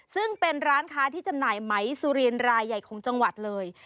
ซึ่งเป็นร้านค้าที่จำหน่ายไหมสุรินรายใหญ่ของจังหวัดเลย